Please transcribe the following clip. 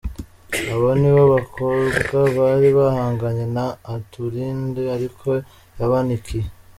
Aba nibo bakobwa bari bahanganye na Atulinde ariko yabanikiye!.